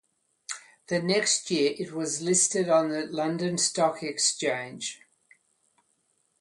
The next year it was listed on the London Stock Exchange.